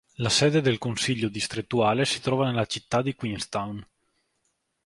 La sede del Consiglio distrettuale si trova nella città di Queenstown.